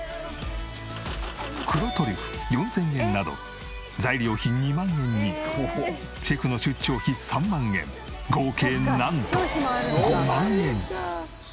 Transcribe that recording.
黒トリュフ４０００円など材料費２万円にシェフの出張費３万円合計なんと５万円！